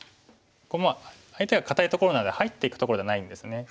こう相手が堅いところなので入っていくところではないんですね。